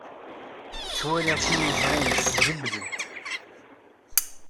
Ttwaliɣ timeẓri-nnes tjebbed-d.